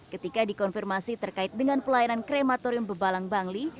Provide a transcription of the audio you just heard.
ketika dikonfirmasi terkait dengan pelayanan krematorium bebalang bangli